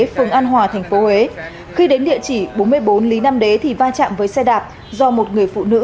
phường an hòa tp huế khi đến địa chỉ bốn mươi bốn lý nam đế thì va chạm với xe đạp do một người phụ nữ